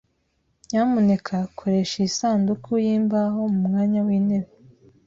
Nyamuneka koresha iyi sanduku yimbaho mu mwanya wintebe.